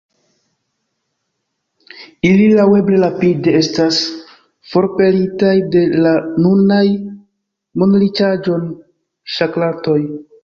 Ili laŭeble rapide estas forpelitaj de la nunaj monriĉaĵon ŝakrantoj“.